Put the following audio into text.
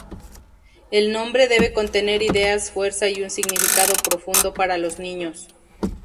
El nombre debe contener ideas-fuerza y un significado profundo para los niños.